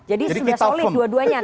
jadi sudah solid dua duanya